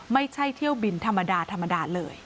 ไม่ใช่เที่ยวบินธรรมดาเลย